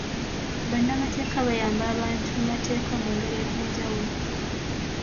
Bannamateeka bayamba abantu mu mateeka mu ngeri ez'enjawulo.